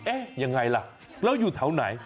ยังไงล่ะแล้วอยู่แถวไหน